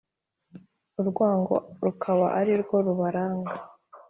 Urwango rukaba ari rwo rubaranga